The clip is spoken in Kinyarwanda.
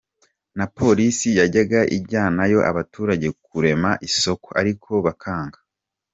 Na Polisi yajyaga ijyanayo abaturage kurema isoko ariko bakanga.